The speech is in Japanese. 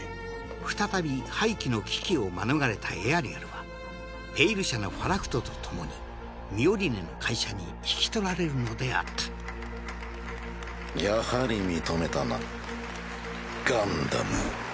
再び廃棄の危機を免れたエアリアルは「ペイル社」のファラクトと共にミオリネの会社に引き取られるのであったやはり認めたなガンダムを。